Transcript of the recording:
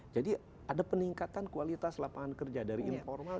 jadi ada peningkatan kualitas lapangan kerja dari informal ke informal